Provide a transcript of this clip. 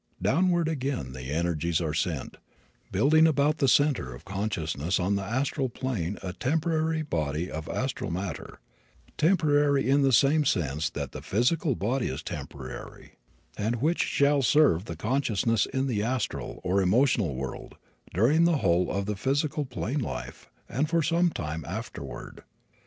Downward again the energies are sent, building about the center of consciousness on the astral plane a temporary body of astral matter, temporary in the same sense that the physical body is temporary, and which shall serve the consciousness in the astral, or emotional world, during the whole of the physical plane life and for some time afterward.